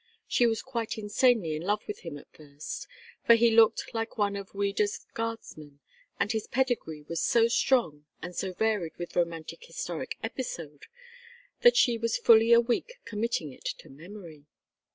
She was quite insanely in love with him at first, for he looked like one of Ouida's guardsmen, and his pedigree was so long, and so varied with romantic historic episode, that she was fully a week committing it to memory.